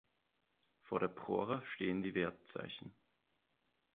Vor der Prora stehen die Wertzeichen.